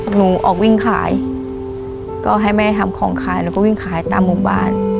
หนูออกวิ่งขายก็ให้แม่ทำของขายหนูก็วิ่งขายตามหมู่บ้าน